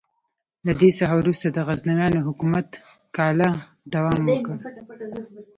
له دې څخه وروسته د غزنویانو حکومت کاله دوام وکړ.